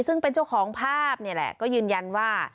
ซึ่งเป็นเจ้าของภาพนี่แหละก็ยืนยันว่า